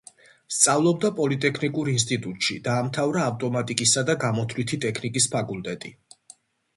სწავლობდა პოლიტექნიკურ ინსტიტუტში, დაამთავრა ავტომატიკისა და გამოთვლითი ტექნიკის ფაკულტეტი.